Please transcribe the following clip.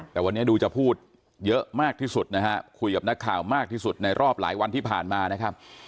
แต่วันนี้ดูจะพูดเยอะมากที่สุดนะฮะคุยกับนักข่าวมากที่สุดในรอบหลายวันที่ผ่านมานะครับ